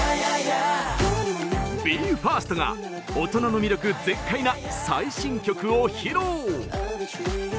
ＢＥ：ＦＩＲＳＴが大人の魅力全開な最新曲を披露！